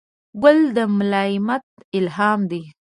ګل د ملایمت الهام دی.